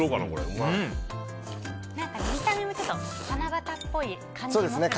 見た目も七夕っぽい感じもしますね。